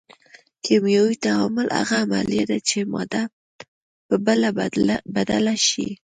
کیمیاوي تعامل هغه عملیه ده چې ماده په بله بدله شي.